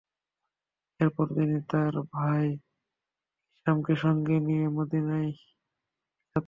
এরপর তিনি তার ভাই হিশামকে সঙ্গে নিয়ে মদীনায় যাত্রা করেন।